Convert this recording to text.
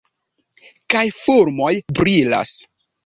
Kaj fulmoj brilas!